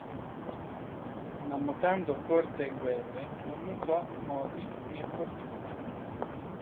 Ma mutando corte e guerre, non mutò modi nè fortuna.